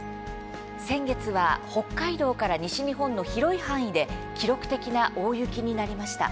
先月は北海道から西日本の広い範囲で記録的な大雪になりました。